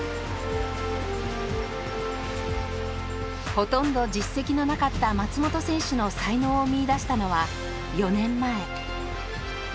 ほとんど実績のなかった松元選手の才能を見いだしたのは４年前。